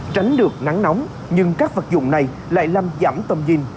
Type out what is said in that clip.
tránh được nắng nóng nhưng các vật dụng này lại làm giảm tầm nhìn